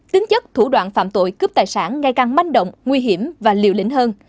tính chất thủ đoạn phạm tội cướp tài sản ngày càng manh động nguy hiểm và liều lĩnh hơn